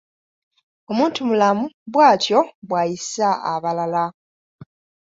Omuntumulamu bwatyo bw'ayisa abalala.